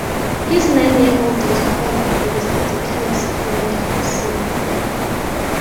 His nine-year-old daughter called the police, but the killers fled the scene.